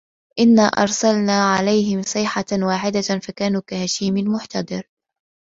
إِنّا أَرسَلنا عَلَيهِم صَيحَةً واحِدَةً فَكانوا كَهَشيمِ المُحتَظِرِ